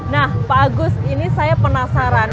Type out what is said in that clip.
nah pak agus ini saya penasaran